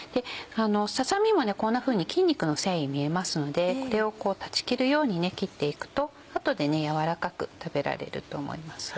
ささ身もねこんなふうに筋肉の繊維見えますのでこれをこう断ち切るように切っていくと後で軟らかく食べられると思いますよ。